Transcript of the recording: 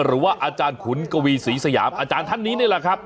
หรือว่าอาจารย์ขุนกวีศรีสยามอาจารย์ท่านนี้นี่แหละครับ